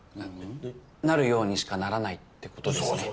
なるようにしかならないってことですね？